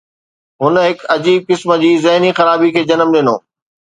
هن هڪ عجيب قسم جي ذهني خرابي کي جنم ڏنو.